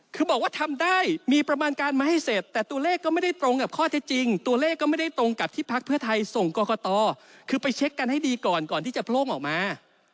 คือบอกว่าทำได้มีประมาณการมาให้เสร็จแต่ตัวเลขก็ไม่ได้ตรงกับข้อเท็จจริงตัวเลขก็ไม่ได้ตรงกับที่พักเพื่อไทยส่งกรกตคือไปเช็คกันให้ดีก่อนก่อนที่จะโพร่งออกมา